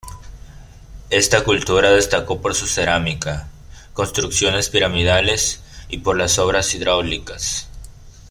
Esta cultura destacó por su cerámica, construcciones piramidales y por las obras hidráulicas.